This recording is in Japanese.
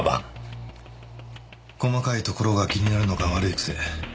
細かいところが気になるのが悪い癖